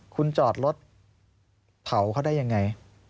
คุณจอดรถเผาเขาได้ยังไง